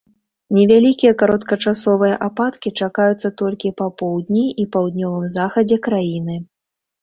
Невялікія кароткачасовыя ападкі чакаюцца толькі па поўдні і паўднёвым захадзе краіны.